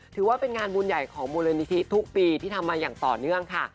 ถือว่าเป็นงานบุญใหญ่ของมูลนิธิทุกปีที่ทำมาอย่างต่อเนื่องค่ะ